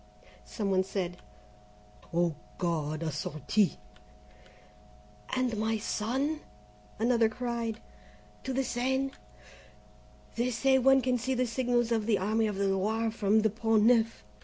Some one said: "Oh, God a sortie and my son?" Another cried: "To the Seine? They say one can see the signals of the Army of the Loire from the Pont Neuf."